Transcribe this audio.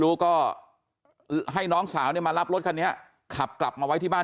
รู้ก็ให้น้องสาวเนี่ยมารับรถคันนี้ขับกลับมาไว้ที่บ้าน